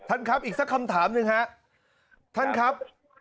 ท่านครับอีกสักคำถามหนึ่งฮะท่านครับ